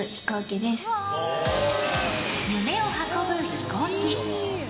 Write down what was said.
夢を運ぶ飛行機。